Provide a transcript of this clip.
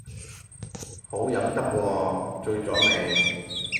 好飲得喎，醉咗未